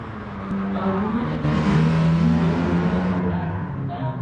A woman in a blue hiking shirt looking at a black ram.